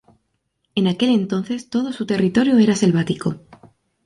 En aquel entonces todo su territorio era selvático.